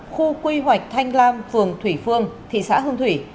khu quy hoạch thanh lam phường thủy phương thị xã hương thủy